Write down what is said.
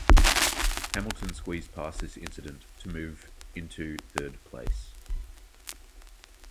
Hamilton squeezed past this incident to move into third place.